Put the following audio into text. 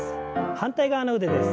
反対側の腕です。